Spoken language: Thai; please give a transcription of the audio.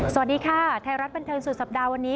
สวัสดีค่ะไทยรัฐบันเทิงสุดสัปดาห์วันนี้